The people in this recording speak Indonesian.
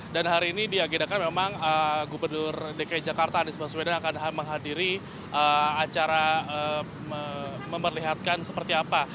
dan hari ini diagetakan memang gubernur dki jakarta anies baswedan akan menghadiri acara memperlihatkan seperti apa